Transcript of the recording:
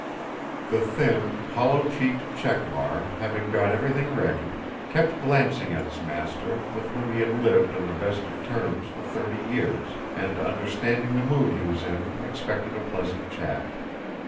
The thin, hollow cheeked Chekmár, having got everything ready, kept glancing at his master with whom he had lived on the best of terms for thirty years, and understanding the mood he was in expected a pleasant chat.